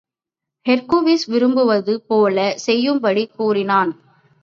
ஹெர்க்குவிஸ் விரும்புவது போலச் செய்யும்படி கூறினான்.